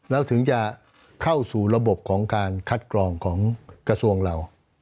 แล้วถึงจะเข้าสู่ระบบของการคัดกรองของกระทรวงเรา